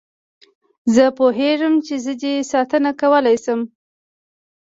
زه پوهېږم چې زه دې ساتنه کولای شم.